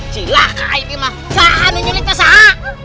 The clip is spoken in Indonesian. cilak kak ipimah